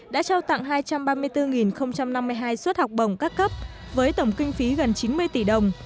đã trao tặng hai trăm ba mươi bốn năm mươi hai suất học bổng các cấp với tổng kinh phí gần chín mươi tỷ đồng